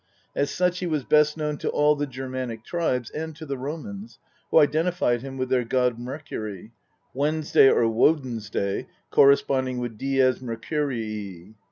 As such he was best known to all the Germanic tribes and to the Romans, who identified him with their god Mercury Wednesday or Woden's day corresponding with " dies Mercurii."